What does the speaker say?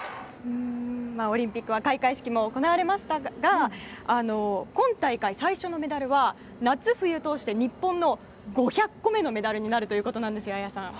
オリンピックは開会式も行われましたが今大会最初のメダルは夏冬通して日本の５００個目のメダルになるということです、綾さん。